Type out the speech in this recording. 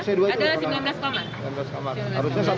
empat puluh orang tapi sekitar seratus an orang